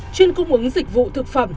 chuyên cung ứng dịch vụ thực phẩm